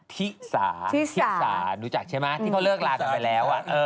ทิสาธิสารู้จักใช่ไหมที่เขาเลิกลากันไปแล้ว